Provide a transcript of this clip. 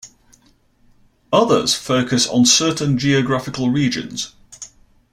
Others focus on certain geographical regions.